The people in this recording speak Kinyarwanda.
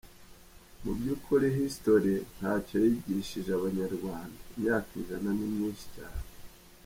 Mu by’ukuri history ntacyo yigishije abanyarwanda, imyaka ijana ni myinshi cyane.